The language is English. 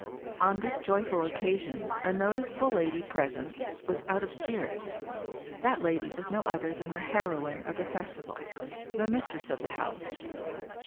On this joyful occasion a noticeable lady present was out of spirits. That lady was no other than the heroine of the festival, the mis tress of the house